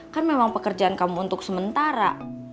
kan memang pekerjaan kamu untuk sementara